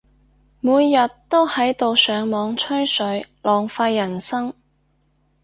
每日都喺度上網吹水，浪費人生